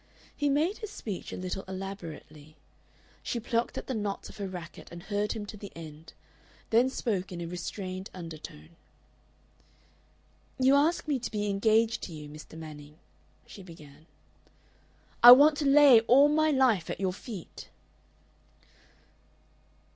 He made his speech a little elaborately. She plucked at the knots of her racket and heard him to the end, then spoke in a restrained undertone. "You ask me to be engaged to you, Mr. Manning," she began. "I want to lay all my life at your feet."